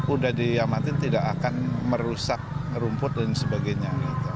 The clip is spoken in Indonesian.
udah diamatin tidak akan merusak rumput dan sebagainya